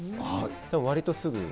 わりとすぐ。